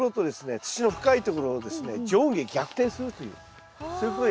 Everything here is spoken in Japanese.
土の深いところをですね上下逆転するというそういうことをやります。